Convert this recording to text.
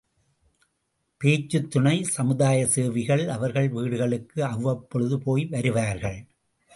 பேச்சுத் துண சமுதாய சேவகிகள் அவர்கள் வீடுகளுக்கு அவ்வப்பொழுது போய் வருவார்கள்.